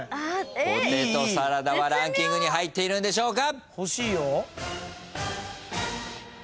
ハンバーグはランキングに入っているんでしょうか？